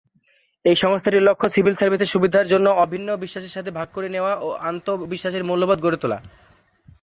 এই সংস্থাটির লক্ষ্য সিভিল সার্ভিসের সুবিধার জন্য অভিন্ন বিশ্বাসের সাথে ভাগ করে নেওয়া আন্তঃ-বিশ্বাসের মূল্যবোধ গড়ে তোলা।